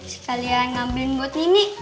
sekalian ngambilin buat nini